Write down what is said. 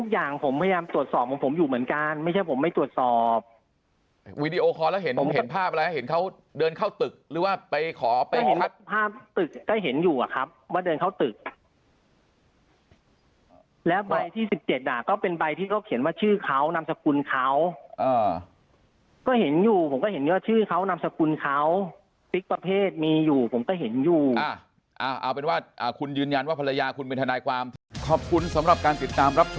เคยขึ้นไปมั้ยเคยขึ้นไปดูอะไรเค้าว่าความมีลูกความมาที่บ้าน